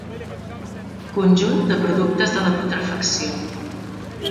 Conjunt de productes de la putrefacció.